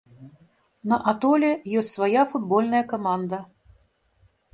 На атоле ёсць свая футбольная каманда.